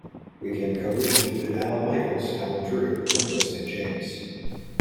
Weekend coverage included Allan Michaels, Alan Drew and Bill Saint James.